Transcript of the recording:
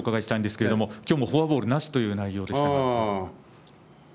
今日もフォアボールなしという内容でした。